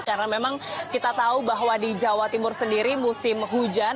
karena memang kita tahu bahwa di jawa timur sendiri musim hujan